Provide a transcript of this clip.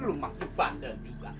lo masih bandel juga